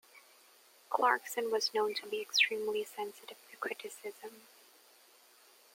Clarkson was known to be extremely sensitive to criticism.